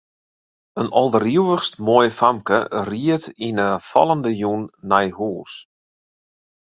In alderivichst moai famke ried yn 'e fallende jûn nei hús.